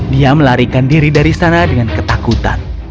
dia melarikan diri dari sana dengan ketakutan